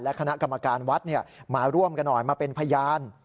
คณะกรรมการวัดมาร่วมกันหน่อยมาเป็นพยาน